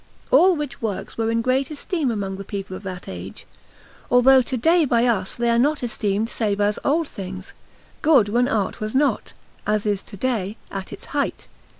All which works were in great esteem among the people of that age, although to day by us they are not esteemed save as old things, good when art was not, as it is to day, at its height.